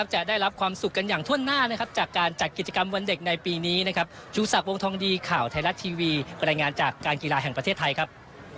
ชูศัพท์วงทองดีข่าวไทยรัฐทีวีบรรยายงานจากการกีฬาแห่งประเทศไทยครับ